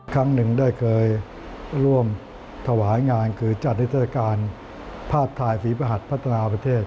ครั้งหนึ่งได้เคยร่วมถวายงานคือจัดนิทรการภาพถ่ายฝีประหัสพัฒนาประเทศ